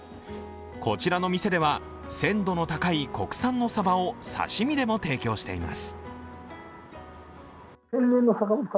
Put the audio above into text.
こちらの店では、鮮度の高い国産のサバを刺身でも提供しています。